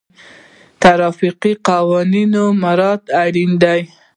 ټرافیکي قوانین مراعتول اړین دي.